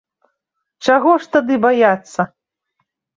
Чаго ж тады баяцца?